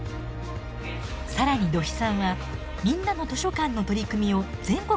更に土肥さんはみんなの図書館の取り組みを全国へ発信しています。